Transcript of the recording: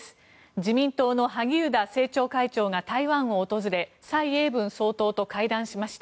自民党の萩生田政調会長が台湾を訪れ蔡英文総統と会談しました。